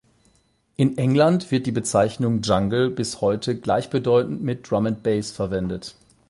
In England wird die Bezeichnung "Jungle" bis heute gleichbedeutend mit "Drum and Bass" verwendet.